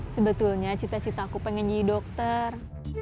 sebetulnya cinta cinta aku pengen jadi dokter